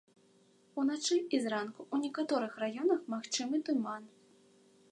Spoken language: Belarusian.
Уначы і зранку ў некаторых раёнах магчымы туман.